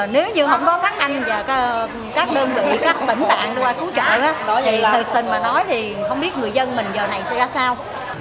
nếu như không có các anh và các đơn vị các tỉnh tạng qua cứu trợ thì thực tình mà nói thì không biết người dân mình giờ này sẽ ra sao